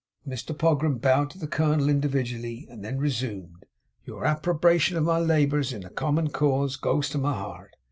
Mr Pogram bowed to the Colonel individually, and then resumed. 'Your approbation of My labours in the common cause goes to My heart.